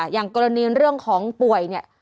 อย่างกรณีเรื่องของป่วย